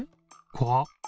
こわっ！